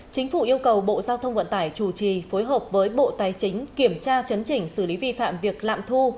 chính phủ yêu cầu bộ giao thông vận tải chủ trì phối hợp với bộ tài chính kiểm tra chấn chỉnh xử lý vi phạm việc lạm thu